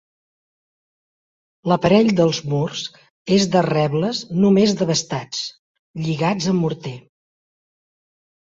L'aparell dels murs és de rebles només desbastats, lligats amb morter.